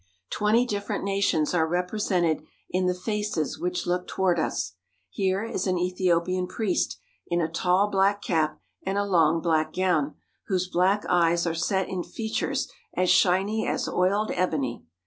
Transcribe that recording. Twenty different nations are represented in the faces which look toward us. Here is an Ethiopian priest, in a tall black cap and a long black gown, whose black eyes are set in features as shiny as oiled ebony.